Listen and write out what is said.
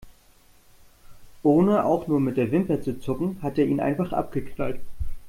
Ohne auch nur mit der Wimper zu zucken, hat er ihn einfach abgeknallt.